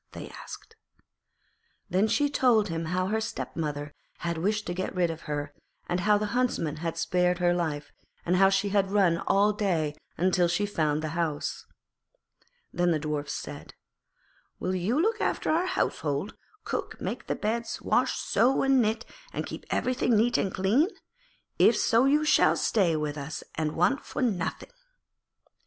they asked. Then she told them how her stepmother had wished to get rid of her, how the Huntsman had spared her life, and how she had run all day till she had found the house. Then the Dwarfs said, 'Will you look after our household, cook, make the beds, wash, sew and knit, and keep everything neat and clean? If so you shall stay with us and want for nothing.'